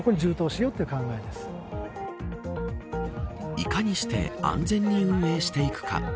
いかにして安全に運営していくか。